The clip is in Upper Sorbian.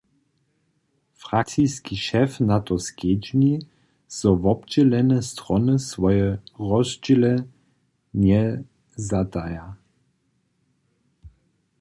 Frakciski šef na to skedźbni, zo wobdźělene strony swoje rozdźěle njezataja.